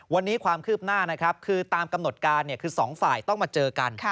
วันนี้ความคืบหน้านะครับคือตามกำหนดการคือสองฝ่ายต้องมาเจอกัน